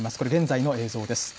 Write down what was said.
これ、現在の映像です。